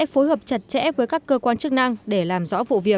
họ đã hợp chặt chẽ với các cơ quan chức năng để làm rõ vụ việc